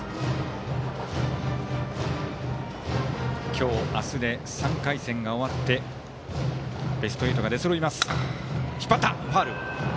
今日、明日で３回戦が終わってベスト８が出そろいます。